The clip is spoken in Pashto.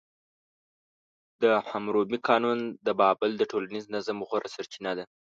د حموربي قانون د بابل د ټولنیز نظم غوره سرچینه وه.